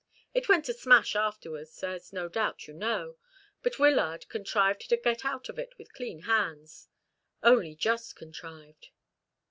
It went to smash afterwards, as, no doubt, you know; but Wyllard contrived to get out of it with clean hands only just contrived."